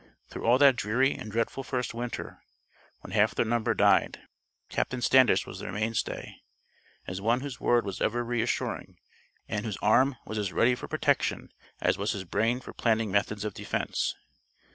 Through all that dreary and dreadful first winter, when half their number died, Captain Standish was their mainstay, as one whose word was ever reassuring and whose arm was as ready for protection as was his brain for planning methods of defence.